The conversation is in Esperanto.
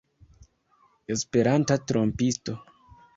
Esperanta trompisto!